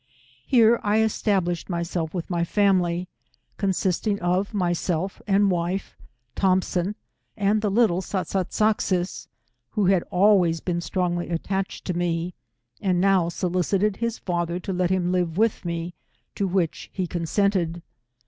Here 1 establish ed myself with my family, consisting of myself and wife, Thompson, and the little Sat sat sak sis, who had always been strongly attached to me, and now solicited his father to let him live with me, to which he consented.